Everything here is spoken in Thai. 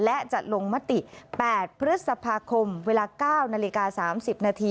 และจะลงมติ๘พฤษภาคมเวลา๙น๓๐น